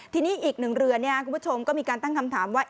ทีนี้อีก๑เหรือนเนี่ยคุณผู้ชมก็มีการตั้งคำถามว่า